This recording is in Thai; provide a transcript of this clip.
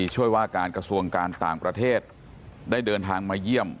ช่วยว่าการกระทรวงการต่างประเทศได้เดินทางมาเยี่ยม